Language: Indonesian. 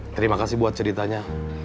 terima kasih buat ceritanya